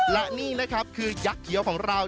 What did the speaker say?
และนี่นะครับคือยักษ์เขียวของเรา